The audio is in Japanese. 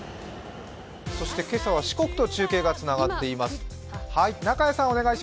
今朝は四国と中継がつながっています。